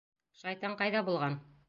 Шайтан ҡайҙа булған?